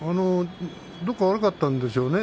どこか悪かったんでしょうね